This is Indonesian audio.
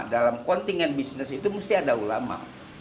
dalam kontingen bisnis itu mesti ada ulama